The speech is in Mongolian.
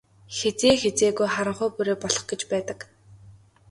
Хэзээ хэзээгүй харанхуй бүрий болох гэж байдаг.